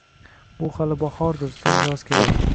Bu hali bahordir, so‘ng yoz keladi